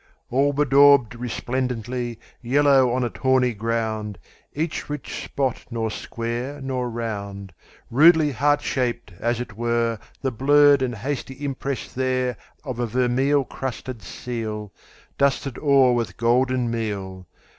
All bedaubed resplendently, Yellow on a tawny ground—Each rich spot nor square nor round, Rudely heart shaped, as it wereThe blurred and hasty impress thereOf a vermeil crusted seal, Dusted o'er with golden meal.